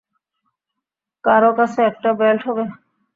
কারোও কাছে একটা বেল্ট হবে?